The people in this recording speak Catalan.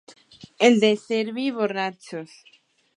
Els de Cerbi, borratxos.